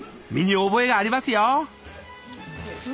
身に覚えがありますよ。